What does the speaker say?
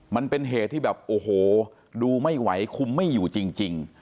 มันเป็นเหตุที่แบบโอ้โหดูไม่ไหวคุมไม่อยู่จริง